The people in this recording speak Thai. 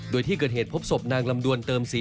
โดยที่เกิดเหตุพบศพนางลำดวนเติมศรี